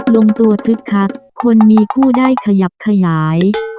ลงตัวคึกคักคนมีคู่ได้ขยับขยาย